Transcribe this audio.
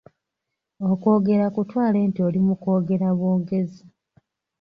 Okwogera kutwale nti oli mu kwogera bwogezi.